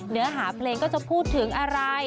เนื้อหาเพลงก็จะพูดถึงอะไร